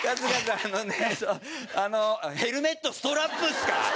あのねヘルメットストラップですか！？